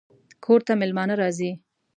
کور ته مېلمانه راځي